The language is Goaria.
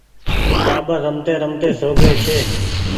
ٽآٻر رمتي رمتي سوگيئي ڇي۔